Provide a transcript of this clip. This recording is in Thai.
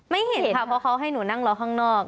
ไม่เห็นค่ะเพราะเขาให้หนูนั่งรอข้างนอก